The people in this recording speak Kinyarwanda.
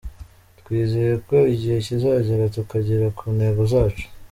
Twizeye ko igihe kizagera tukagera ku ntego zacu”.